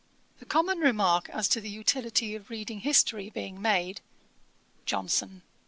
The common remark as to the utility of reading history being made; JOHNSON.